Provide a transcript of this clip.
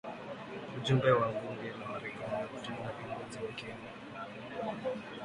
Ujumbe wa bunge la Marekani wakutana na viongozi wa Kenya